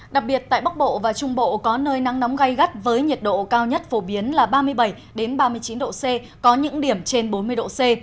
đặc biệt tại bắc bộ và trung bộ có nơi nắng nóng gai gắt với nhiệt độ cao nhất phổ biến là ba mươi bảy ba mươi chín độ c có những điểm trên bốn mươi độ c